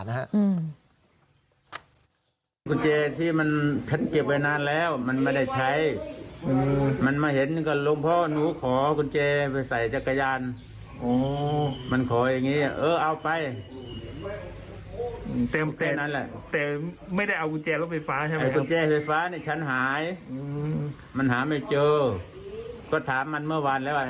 รถสามล่อลงพ่อไปมันก็บอกว่าไม่ได้เอาไป